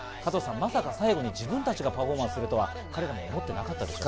まさか最後に自分たちがパフォーマンスするとは彼らも思っていなかったでしょう。